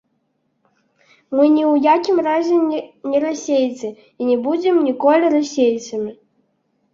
Мы ні ў якім разе ні расейцы, і не будзем ніколі расейцамі.